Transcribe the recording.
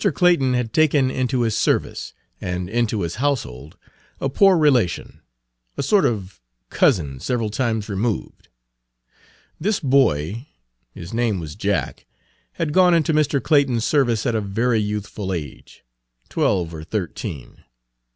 Clayton had taken into his service and into his household a poor relation, a sort of cousin several times removed. This boy his name was Jack had gone into Mr. Clayton's service at a very youthful age, twelve or thirteen.